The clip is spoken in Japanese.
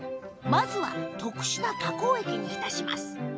まずは特殊な加工液に浸します。